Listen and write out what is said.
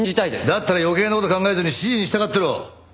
だったら余計な事考えずに指示に従ってろ！